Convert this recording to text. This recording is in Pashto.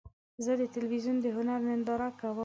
زه د تلویزیون د هنر ننداره کوم.